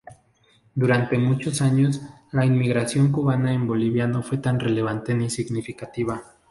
Durante muchos años, la inmigración cubana en Bolivia no fue tan relevante ni significativa.